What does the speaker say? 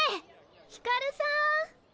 ひかるさん！